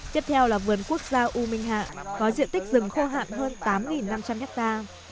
tiếp theo là vườn quốc gia u minh hạ có diện tích rừng khô hạn hơn tám năm trăm linh hectare